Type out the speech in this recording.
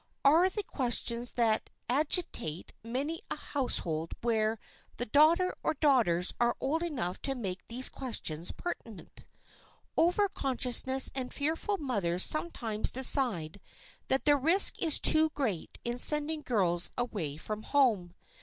are the questions that agitate many a household where the daughter or daughters are old enough to make these questions pertinent. Over conscientious and fearful mothers sometimes decide that the risk is too great in sending girls away from home.